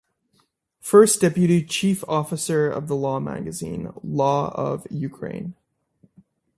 First Deputy Chief Editor of the Law Magazine "Law of Ukraine".